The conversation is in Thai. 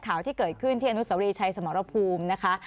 ข่าวที่เกิดขึ้นที่อนุสวรีชัยสมรภูมินะคะ